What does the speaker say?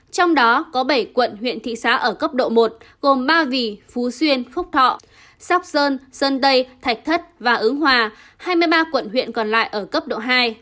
trong đó có bảy quận huyện thị xã ở cấp độ một gồm ba vì phú xuyên phúc thọ sóc sơn sơn thạch thất và ứng hòa hai mươi ba quận huyện còn lại ở cấp độ hai